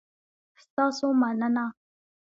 ستاسو مننه؟